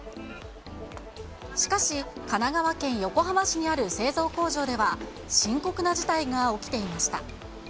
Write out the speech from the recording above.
しかし、神奈川県横浜市にある製造工場では深刻な事態が起きていました。